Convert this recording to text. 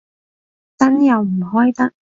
燈又唔開得